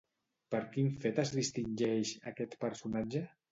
Per quin fet es distingeix, aquest personatge?